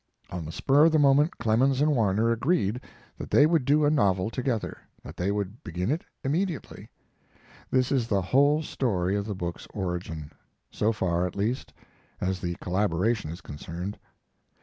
On the spur of the moment Clemens and Warner agreed that they would do a novel together, that they would begin it immediately. This is the whole story of the book's origin; so far, at least, as the collaboration is concerned.